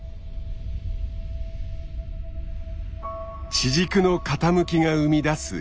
地軸の傾きが生み出す季節。